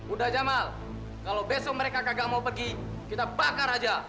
udah jamal kalau besok mereka kagak mau pergi kita bakar aja